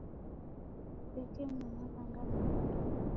Kusekenywa maghanga mengi.